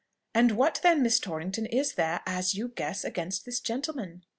"And what then, Miss Torrington, is there, as you guess, against this gentleman?"